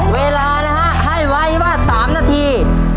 เวลานะฮะให้ไว้ว่า๓นาที